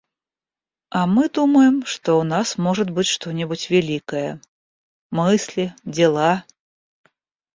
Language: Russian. А мы думаем, что у нас может быть что-нибудь великое, — мысли, дела!